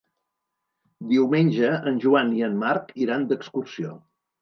Diumenge en Joan i en Marc iran d'excursió.